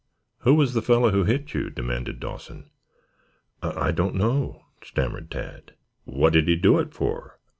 "Who was the fellow who hit you?" demanded Dawson. "I I don't know," stammered Tad. "What did he do it for?"